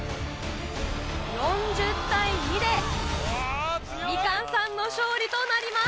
４０対２でみかんさんの勝利となります。